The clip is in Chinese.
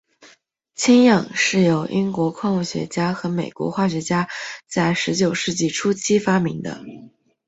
氢氧是由英国矿物学家和美国化学家在十九世纪初期发明的。